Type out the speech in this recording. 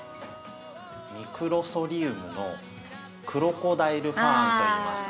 ミクロソリウムのクロコダイルファーンといいます。